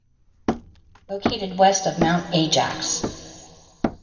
Located west of Mount Ajax.